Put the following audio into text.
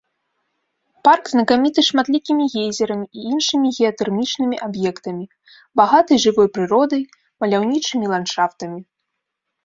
Парк знакаміты шматлікімі гейзерамі і іншымі геатэрмічнымі аб'ектамі, багатай жывой прыродай, маляўнічымі ландшафтамі.